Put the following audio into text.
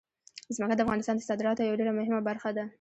ځمکه د افغانستان د صادراتو یوه ډېره مهمه برخه ده.